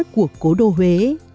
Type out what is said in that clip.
của cố đô huế